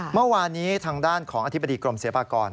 เมื่อวานนี้ทางด้านของอธิบดีกรมศิลปากร